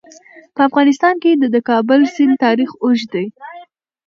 په افغانستان کې د د کابل سیند تاریخ اوږد دی.